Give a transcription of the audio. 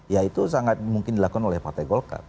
ya itu sangat mungkin dilakukan oleh partai golkar